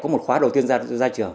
một khóa đầu tiên ra trường